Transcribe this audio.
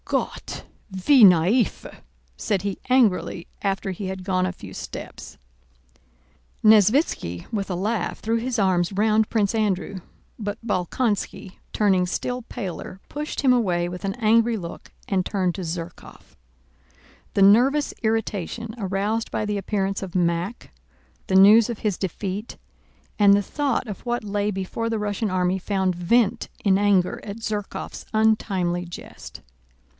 "Gott, wie naiv!" * said he angrily, after he had gone a few steps. * "Good God, what simplicity!" Nesvítski with a laugh threw his arms round Prince Andrew, but Bolkónski, turning still paler, pushed him away with an angry look and turned to Zherkóv. The nervous irritation aroused by the appearance of Mack, the news of his defeat, and the thought of what lay before the Russian army found vent in anger at Zherkóv's untimely jest.